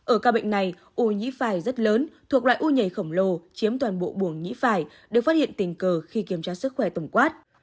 ở ca bệnh này u nhĩ phải rất lớn thuộc loại ô nhảy khổng lồ chiếm toàn bộ buồng nhĩ phải được phát hiện tình cờ khi kiểm tra sức khỏe tổng quát